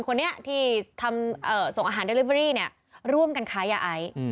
คนนี้ที่ทำส่งอาหารเดลิเวอรี่เนี่ยร่วมกันค้ายาไอ